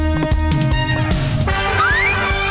แอร์โหลดแล้วคุณล่ะโหลดแล้ว